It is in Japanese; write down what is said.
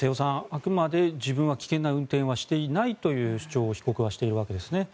あくまで自分は危険な運転はしていないという主張を被告はしているわけですね。